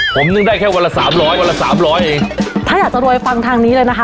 ผมนึ่งได้แค่วันละสามร้อยวันละสามร้อยเองถ้าอยากจะรวยฟังทางนี้เลยนะคะ